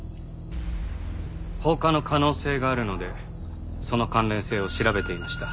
放火の可能性があるのでその関連性を調べていました。